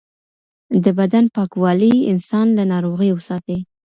د بدن پاکوالی انسان له ناروغیو ساتي.